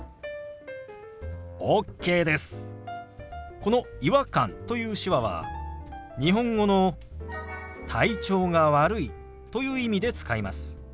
この「違和感」という手話は日本語の「体調が悪い」という意味で使います。